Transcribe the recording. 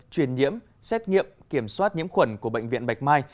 truyền nhiễm xét nghiệm kiểm soát nhiễm khuẩn của bệnh viện bạch mai